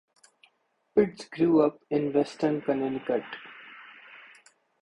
Pitts grew up in Weston, Connecticut.